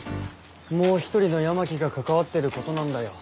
もう一人の八巻が関わってることなんだよ。